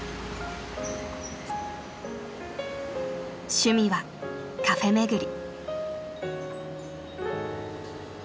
趣味はカフェ巡り。